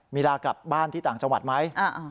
มีลากลับบ้านที่ต่างจังหวัดไหม